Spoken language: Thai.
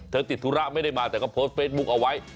ติดธุระไม่ได้มาแต่ก็โพสต์เฟซบุ๊คเอาไว้